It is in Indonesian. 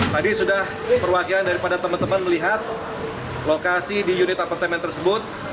tadi sudah perwakilan daripada teman teman melihat lokasi di unit apartemen tersebut